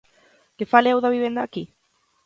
¿Que fale eu da vivenda aquí?